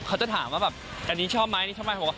เค้าจะถามว่าอันนี้ชอบไหมอันนี้ชอบไม่